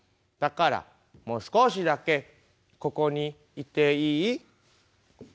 だからもう少しだけここにいていい？」。